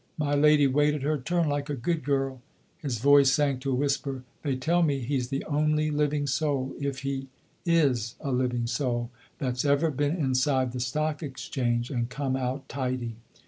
My lady waited her turn, like a good girl!" His voice sank to a whisper. "They tell me he's the only living soul if he is a living soul that's ever been inside the Stock Exchange and come out tidy.